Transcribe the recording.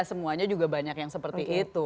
semuanya juga banyak yang seperti itu